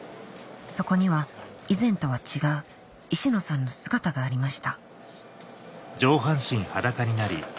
そこには以前とは違う石野さんの姿がありました